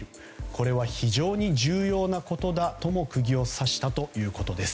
これは、非常に重要なことだとも釘を刺したということです。